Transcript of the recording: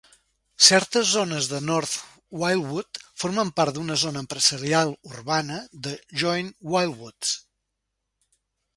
Certes zones de North Wildwood formen part d'una zona empresarial urbana de Joint Wildwoods.